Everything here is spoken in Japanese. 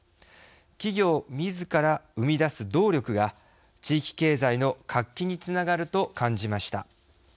企業みずから生み出す動力が地域経済の活気につながると感じました。